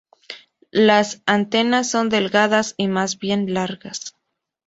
Las antenas son delgadas y más bien largas.